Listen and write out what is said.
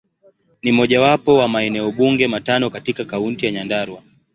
Ni mojawapo wa maeneo bunge matano katika Kaunti ya Nyandarua.